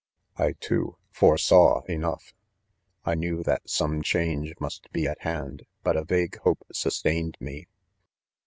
. I, too, foresaw enough. I knew that some change must be at hand, hut a vague hope sustained me.